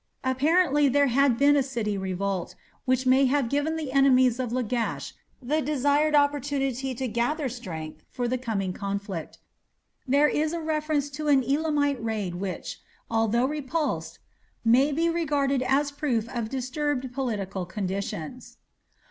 Apparently there had been a city revolt, which may have given the enemies of Lagash the desired opportunity to gather strength for the coming conflict. There is a reference to an Elamite raid which, although repulsed, may be regarded as proof of disturbed political conditions.